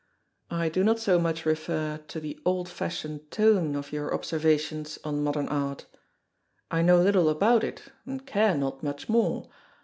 I do not so much refer to the old fashioned tone of your observations on modern art. I know little about it, and care not much more.